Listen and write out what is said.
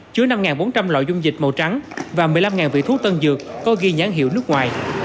chứa năm bốn trăm linh loại dung dịch màu trắng và một mươi năm vị thuốc tân dược có ghi nhãn hiệu nước ngoài